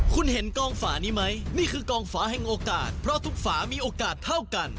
คุณเห็นกองฝานี้ไหมนี่คือกองฝาแห่งโอกาสเพราะทุกฝามีโอกาสเท่ากัน